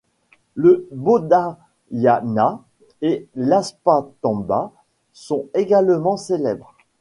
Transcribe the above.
Le Baudhayana et l’Apastamba sont également célèbres.